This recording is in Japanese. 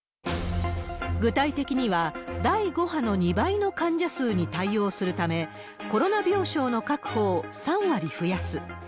具体的には、第５波の２倍の患者数に対応するため、コロナ病床の確保を３割増やす。